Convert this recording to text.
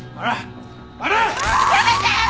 やめて。